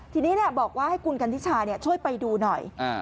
ทีนี้เนี้ยบอกว่าให้กุญกัณฑิชาเนี้ยช่วยไปดูหน่อยอ่า